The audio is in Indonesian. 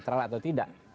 netra atau tidak